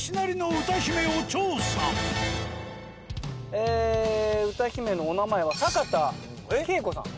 ええ歌姫のお名前は坂田佳子さん。